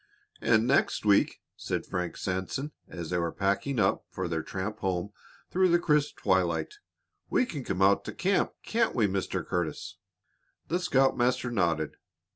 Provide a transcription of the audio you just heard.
"And next week," said Frank Sanson, as they were packing up for their tramp home through the crisp twilight, "we can come out to camp, can't we, Mr. Curtis?" The scoutmaster nodded.